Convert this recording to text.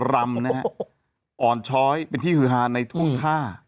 รำนะฮะอ่อนช้อยเป็นที่ฮือฮาในท่วงท่า